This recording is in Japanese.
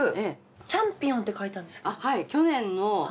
チャンピオンって書いてあるんですけど。